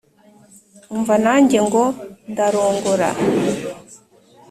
umva nanjye ngo ndarongora